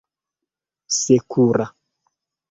sekura